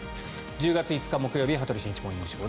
１０月５日、木曜日「羽鳥慎一モーニングショー」。